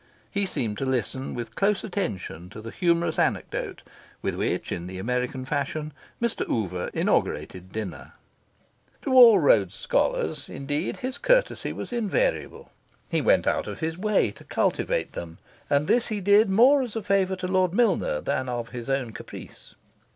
He seemed to listen with close attention to the humorous anecdote with which, in the American fashion, Mr. Oover inaugurated dinner. To all Rhodes Scholars, indeed, his courtesy was invariable. He went out of his way to cultivate them. And this he did more as a favour to Lord Milner than of his own caprice.